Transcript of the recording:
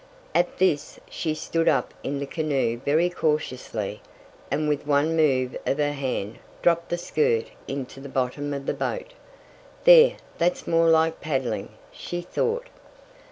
At this she stood up in the canoe very cautiously, and with one move of her hand dropped the skirt into the bottom of the boat. "There, that's more like paddling," she thought.